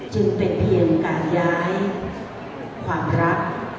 จึงเป็นเพียงการย้ายความรัก